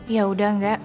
ya udah enggak